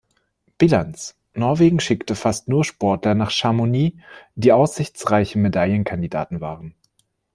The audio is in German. Bilanz: Norwegen schickte fast nur Sportler nach Chamonix, die aussichtsreiche Medaillenkandidaten waren.